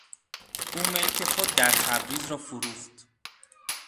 او ملک خود در تبریز را فروخت.